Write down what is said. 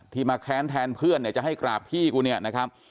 มาแค้นแทนเพื่อนเนี่ยจะให้กราบพี่กูเนี่ยนะครับ